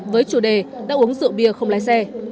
với chủ đề đã uống rượu bia không lái xe